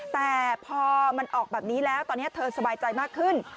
แต่พอมันออกแบบนี้แล้วตอนนี้เธอสบายใจมากขึ้น